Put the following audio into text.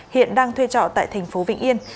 hiện đang thuê trọ tại thành phố vịnh yên